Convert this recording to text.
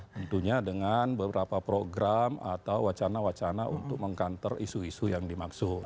tentunya dengan beberapa program atau wacana wacana untuk mengkanter isu isu yang dimaksud